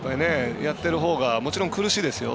やってるほうがもちろん苦しいですよ。